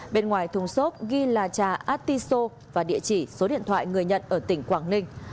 bên ngoài thùng xốp ghi là trà artiso và địa chỉ số điện thoại người nhận ở tỉnh quảng ninh